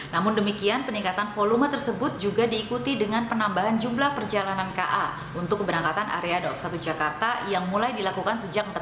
namun demikian peningkatan volume tersebut juga diikuti dengan penambahan jumlah perjalanan ka untuk keberangkatan area daob satu jakarta yang mulai dilakukan sejak empat belas agustus dua ribu dua puluh